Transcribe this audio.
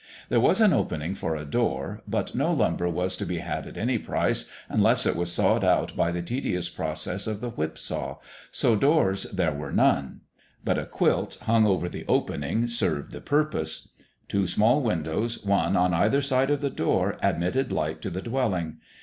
There was an opening for a door, but no lumber was to be had at any price, unless it was sawed out by the tedious process of the whip saw, so doors there were none; but a quilt hung over the opening served the purpose. Two small windows, one on either side of the door, admitted light to the dwelling.